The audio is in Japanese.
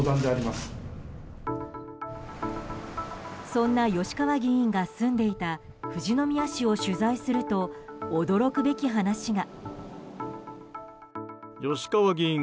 そんな吉川議員が住んでいた富士宮市を取材すると驚くべき話が。